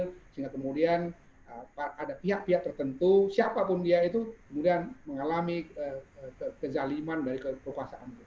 sehingga kemudian ada pihak pihak tertentu siapapun dia itu kemudian mengalami kezaliman dari kekuasaan